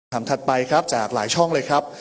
ถัดไปครับจากหลายช่องเลยครับ